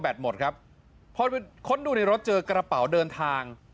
แบบหมดครับเพราะว่าคนดูในรถเจอกระเป๋าเดินทาง